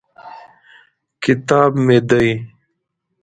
کتاب مې دی.